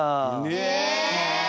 え！